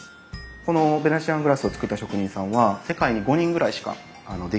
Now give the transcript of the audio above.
このベネチアングラスを作った職人さんは世界に５人ぐらいしかできないといわれている